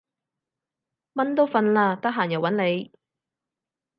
蚊都瞓喇，得閒又搵你